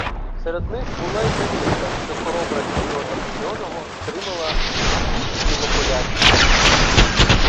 Серед них була й замітка, що хоробра кіннота Будьонного стримала наступ "білополяків".